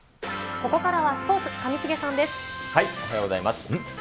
ここからはスポーツ、上重さおはようございます。